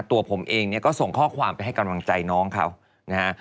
ตัวผมเองเนี่ยก็ส่งข้อความไปให้กำลังใจน้องเขานะฮะ